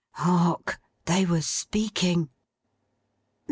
Hark. They were speaking!